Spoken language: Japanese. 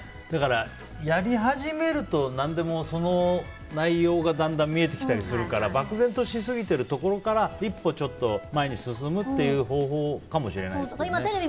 だから、やり始めると何でも、その内容がだんだん見えてきたりするから漠然としすぎてるところから一歩、前に進むっていう方法かもしれないですね。